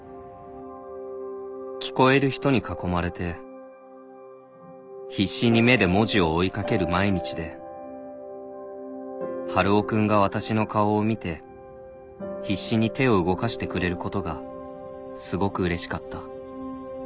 「聞こえる人に囲まれて必死に目で文字を追い掛ける毎日で春尾君が私の顔を見て必死に手を動かしてくれることがすごくうれしかった」